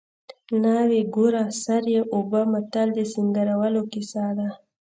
ناوې ګوره سر یې اوبه متل د سینګارولو کیسه ده